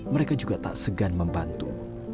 mereka juga tak segan membantu